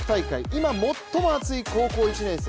今、最も熱い高校１年生。